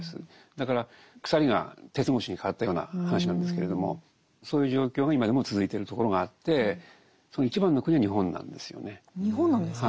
だから「鎖」が「鉄格子」に変わったような話なんですけれどもそういう状況が今でも続いてるところがあってその一番の国は日本なんですよね。